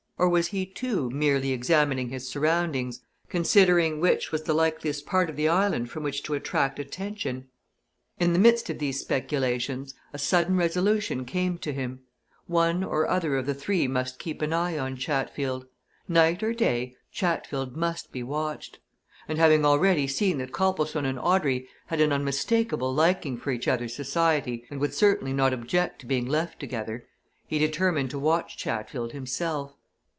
Or was he, too, merely examining his surroundings considering which was the likeliest part of the island from which to attract attention? In the midst of these speculation a sudden resolution came to him one or other of the three must keep an eye on Chatfield. Night or day, Chatfield must be watched. And having already seen that Copplestone and Audrey had an unmistakable liking for each other's society and would certainly not object to being left together, he determined to watch Chatfield himself.